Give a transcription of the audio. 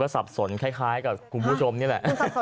สับสนคล้ายกับคุณผู้ชมนี่แหละ